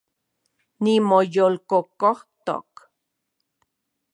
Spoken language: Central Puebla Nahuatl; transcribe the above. Nimoyolkokojtok